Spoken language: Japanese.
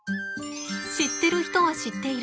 知ってる人は知っている。